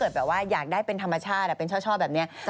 แบบว่าอยากได้เป็นธรรมชาติเป็นช่อแบบนี้